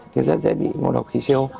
thì sẽ bị nguồn độc khí co